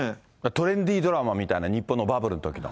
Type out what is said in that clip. トレンディードラマみたいな、日本のバブルのときの。